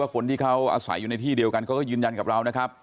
คนที่เขาอาศัยอยู่ในที่เดียวกันเขาก็ยืนยันกับเรานะครับ